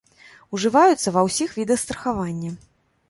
Ужываюцца ўва ўсіх відах страхавання.